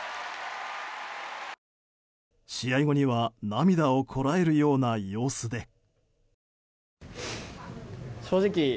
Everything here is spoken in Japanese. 試合後には涙をこらえるような様子で。